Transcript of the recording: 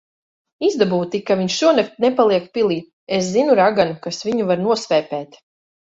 Izdabū tik, ka viņš šonakt nepaliek pilī. Es zinu raganu, kas viņu var nosvēpēt.